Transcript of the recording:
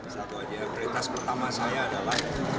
satu aja prioritas pertama saya adalah